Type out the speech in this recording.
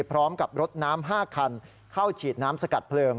พร้อมกับรถน้ำ๕คันเข้าฉีดน้ำสกัดเพลิง